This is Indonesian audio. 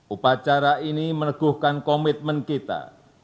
upacara ini meneguhkan komitmen kita